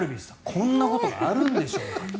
こんなことがあるんでしょうか。